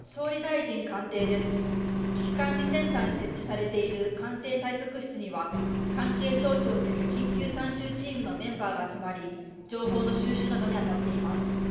危機管理センターに設置されている官邸対策室には関係省庁による緊急参集チームのメンバーが集まり情報の収集などにあたっています。